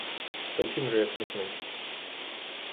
Та чим же я смішний?